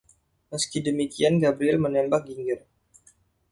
Meski demikian, Gabriel menembak Ginger.